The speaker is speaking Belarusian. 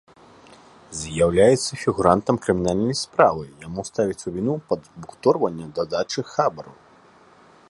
З'яўляецца фігурантам крымінальнай справы, яму ставяць у віну падбухторванне да дачы хабару.